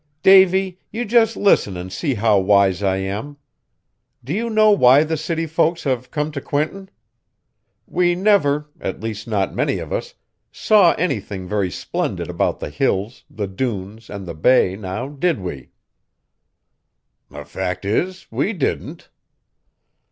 "Davy, you just listen and see how wise I am! Do you know why the city folks have come to Quinton? We never, at least not many of us, saw anything very splendid about the Hills, the dunes and the bay, now did we?" "The fact is, we didn't!"